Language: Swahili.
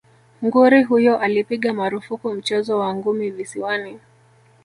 Nguri huyo alipiga marufuku mchezo wa ngumi visiwani